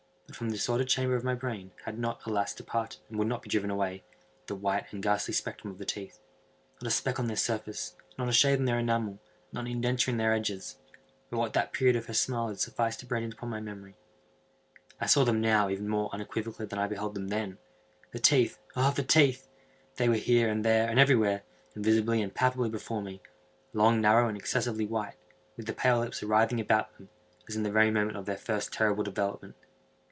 But from the disordered chamber of my brain, had not, alas! departed, and would not be driven away, the white and ghastly spectrum of the teeth. Not a speck on their surface—not a shade on their enamel—not an indenture in their edges—but what that period of her smile had sufficed to brand in upon my memory. I saw them now even more unequivocally than I beheld them then. The teeth!—the teeth!—they were here, and there, and everywhere, and visibly and palpably before me; long, narrow, and excessively white, with the pale lips writhing about them, as in the very moment of their first terrible development.